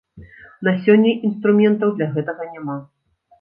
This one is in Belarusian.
На сёння інструментаў для гэтага няма.